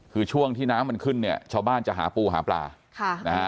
คือช่วงที่น้ำมันขึ้นเนี่ยชาวบ้านจะหาปูหาปลาค่ะนะฮะ